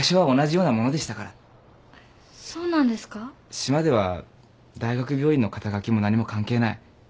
島では大学病院の肩書きも何も関係ない。